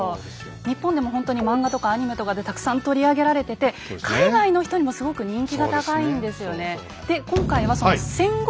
日本でもほんとに漫画とかアニメとかでたくさん取り上げられてて海外の人にもすごく人気が高いんですよね。